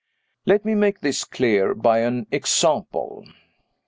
Let me make this clear by an example.